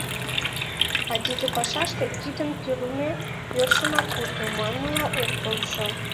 А тиде пашаште кидым кӱрлмӧ йӧршынак уто, манмыла, ок полшо.